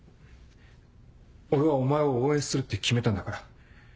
俺はお前を応援するって決めたんだから。